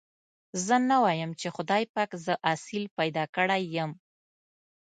زه نه وايم چې خدای پاک زه اصيل پيدا کړي يم.